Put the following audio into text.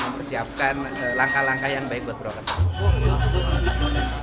dan mempersiapkan langkah langkah yang baik buat pro reform